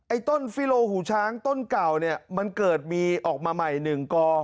ต้นฟิโลหูช้างต้นเก่าเนี่ยมันเกิดมีออกมาใหม่๑กอ